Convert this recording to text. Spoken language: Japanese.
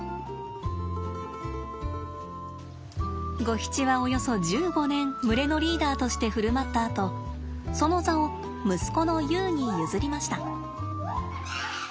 ゴヒチはおよそ１５年群れのリーダーとして振る舞ったあとその座を息子のユウに譲りました。